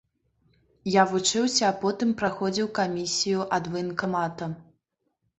Я вучыўся, а потым праходзіў камісію ад ваенкамата.